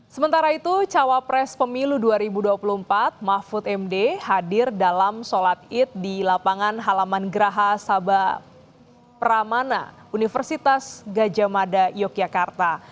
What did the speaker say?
sementara itu cawapres pemilu dua ribu dua puluh empat mahfud md hadir dalam sholat id di lapangan halaman geraha saba pramana universitas gajah mada yogyakarta